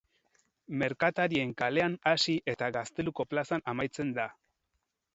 Merkatarien kalean hasi eta Gazteluko plazan amaitzen da.